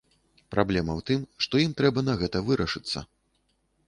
Праблема ў тым, што ім трэба на гэта вырашыцца.